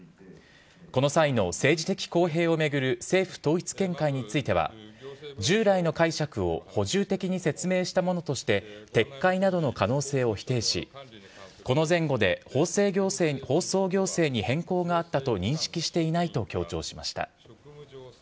この際の政治的公平を巡る政府統一見解については、従来の解釈を補充的に説明したものとして、撤回などの可能性を否定し、この前後で放送行政に変更があったと認識していないと強調しました。